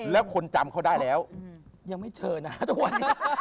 แล้วคนจำเขาได้แล้วยังไม่เจอหน้าตัวเอง